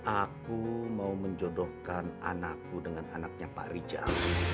aku mau menjodohkan anakku dengan anaknya pak rijal